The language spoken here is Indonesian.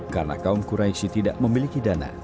karena kaum quraishi tidak memiliki dana